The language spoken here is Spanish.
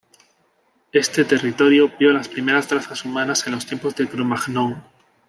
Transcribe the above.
Este territorio vio las primeras trazas humanas en los tiempos de Cro-Magnon.